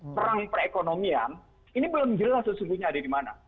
perang perekonomian ini belum jelas sesungguhnya ada di mana